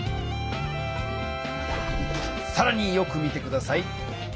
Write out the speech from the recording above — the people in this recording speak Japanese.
さらによく見て下さい。